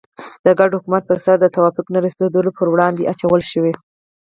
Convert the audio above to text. د ګډ حکومت پر سر د توافق نه رسېدلو پړه ورباندې اچول شوې.